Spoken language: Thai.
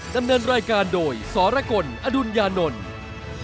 ดำเนินรายการโดยสรกลอดุญญานนท์